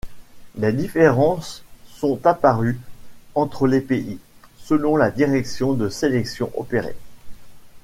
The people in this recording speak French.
Des différences sont apparues entre les pays, selon la direction de sélection opérée.